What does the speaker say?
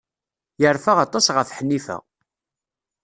Yerfa aṭas ɣef Ḥnifa.